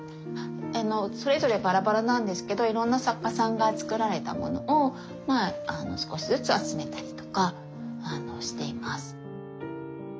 それぞれバラバラなんですけどいろんな作家さんが作られたものを少しずつ集めたりとかしています。